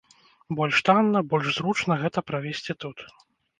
Больш танна, больш зручна гэта правесці тут.